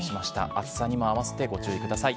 暑さにもあわせてご注意ください。